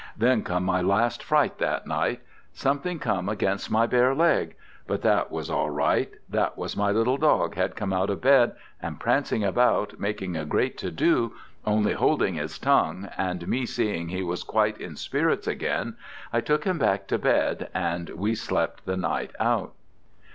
Then come my last fright that night something come against my bare leg but that was all right: that was my little dog had come out of bed, and prancing about, making a great to do, only holding his tongue, and me seeing he was quite in spirits again, I took him back to bed and we slept the night out!